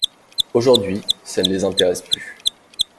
Aujourd’hui, ça ne les intéresse plus.